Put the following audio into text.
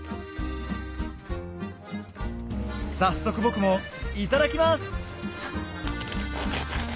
早速僕もいただきます！